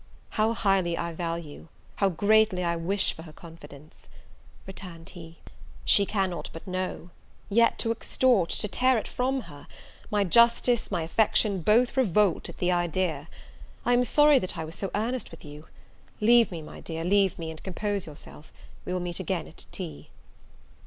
"How highly I value, how greatly I wish for her confidence," returned he, "she cannot but know; yet to extort, to tear it from her, my justice, my affection both revolt at the idea. I am sorry that I was so earnest with you; leave me, my dear, leave me, and compose yourself; we will meet again at tea."